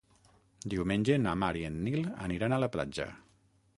Diumenge na Mar i en Nil aniran a la platja.